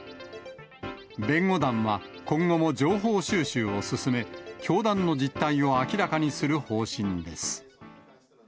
弁護団は、今後も情報収集を進め、教団の実態を明らかにする方針です。